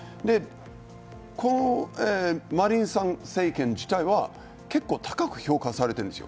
マリンさん政権自体は結構、高く評価されているんです。